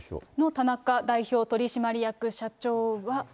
田中代表取締役社長は。